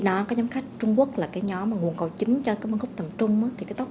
đó các nhóm khách trung quốc là cái nhóm mà nguồn cầu chính cho các văn khúc tầm trung thì cái tốc